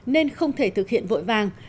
nên không thể thực hiện vội vàng